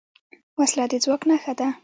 وسله د ځواک نښه ده